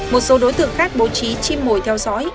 một số đối tượng khác bố trí chim mồi theo dõi